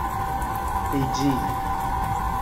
فیجی